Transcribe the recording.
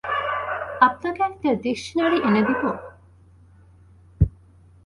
আপনাকে একটা ডিকশনারি এনে দিব?